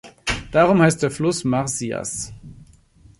Darum heißt der Fluss Marsyas.